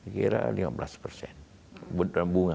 kira lima belas persen